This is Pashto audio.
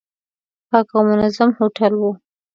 پاک او منظم هوټل و.